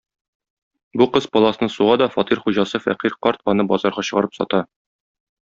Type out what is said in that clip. Бу кыз паласны суга да, фатир хуҗасы фәкыйрь карт аны базарга чыгарып сата.